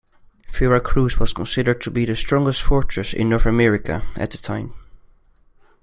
Veracruz was considered to be the strongest fortress in North America at the time.